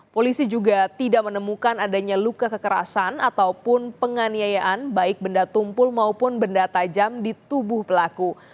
polisi juga tidak menemukan adanya luka kekerasan ataupun penganiayaan baik benda tumpul maupun benda tajam di tubuh pelaku